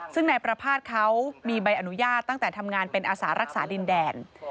ซึ่งนายประภาษณ์เขามีใบอนุญาตตั้งแต่ทำงานเป็นอาสารักษาดินแดน